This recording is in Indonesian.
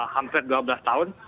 hampir dua belas tahun